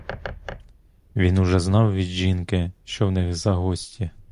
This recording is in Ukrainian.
Він уже знав від жінки, що в них за гості.